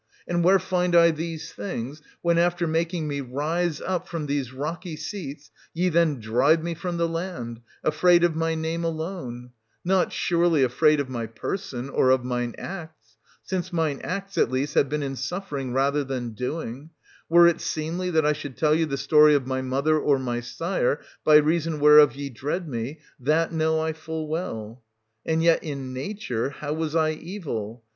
And where find I these things, when, after making me rise up from these rocky seats, ye then drive me from the land, afraid of my name alone } Not, surely, afraid of my person or of mine acts ; since mine acts, at least, have been in suffering rather than doing — were it seemly that I should tell you the story of my mother or my sire, by reason whereof ye dread me — that know I full well. 270 And yet in nature how was I evil